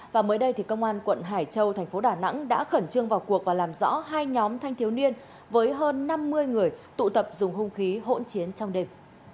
và mới đây công an quận hải châu thành phố đà nẵng đã khẩn trương vào cuộc và làm rõ hai nhóm thanh thiếu niên với hơn năm mươi người tụ tập dùng hung khí hỗn chiến trong đêm